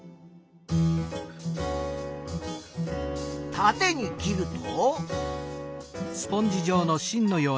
たてに切ると。